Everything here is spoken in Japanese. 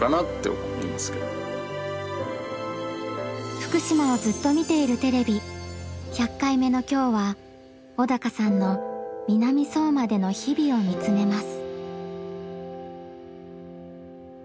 「福島をずっと見ているＴＶ」１００回目の今日は小鷹さんの南相馬での日々を見つめます。